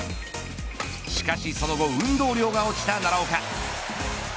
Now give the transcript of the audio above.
しかしその後運動量が落ちた奈良岡。